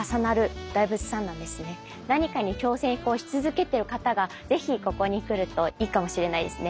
何かに挑戦し続けてる方が是非ここに来るといいかもしれないですね。